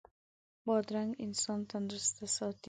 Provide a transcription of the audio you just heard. بادرنګ انسان تندرست ساتي.